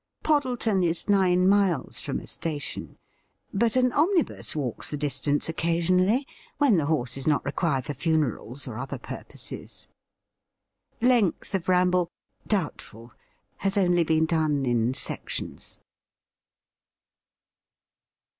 Poddleton is nine miles from a station, but an omnibus walks the distance occasionally, when the horse is not required for funerals or other purposes. Length of Ramble. Doubtful. Has only been done in sections.